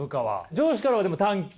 上司からはでも短気？